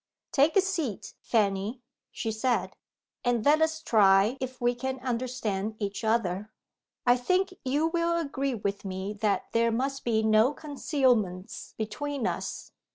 "Take a seat, Fanny," she said, "and let us try if we can understand each other. I think you will agree with me that there must be no concealments between us.